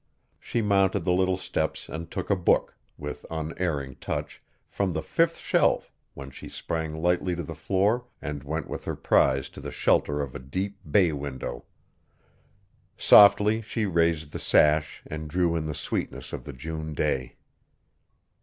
She mounted the little steps and took a book, with unerring touch, from the fifth shelf, then she sprang lightly to the floor and went with her prize to the shelter of a deep bay window. Softly she raised the sash and drew in the sweetness of the June day.